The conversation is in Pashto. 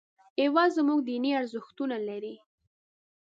هېواد زموږ دیني ارزښتونه لري